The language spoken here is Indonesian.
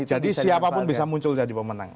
jadi siapapun bisa muncul jadi pemenang